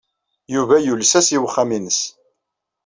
Yuba yules-as i uxxam-nnes.